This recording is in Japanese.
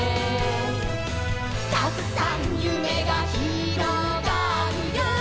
「たくさんゆめがひろがるよ」